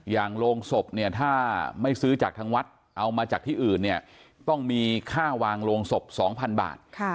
โรงศพเนี่ยถ้าไม่ซื้อจากทางวัดเอามาจากที่อื่นเนี่ยต้องมีค่าวางโรงศพ๒๐๐๐บาท